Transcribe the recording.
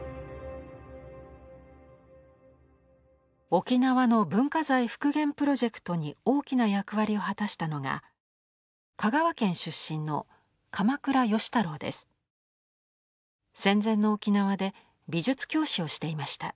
沖縄の文化財復元プロジェクトに大きな役割を果たしたのが香川県出身の戦前の沖縄で美術教師をしていました。